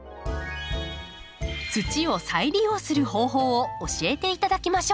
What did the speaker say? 土を再利用する方法を教えていただきましょう。